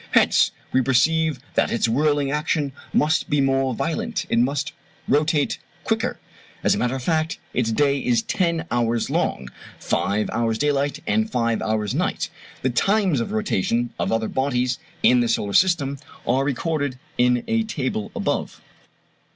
Hence we perceive that its whirling action must be more violent it must rotate quicker. As a matter of fact its day is ten [Illustration: FIG. 72. Jupiter.] hours long five hours daylight and five hours night. The times of rotation of other bodies in the solar system are recorded in a table above.